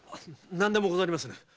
何でもござりませぬ。